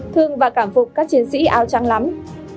thương và cảm phục các chiến sĩ áo trắng lắm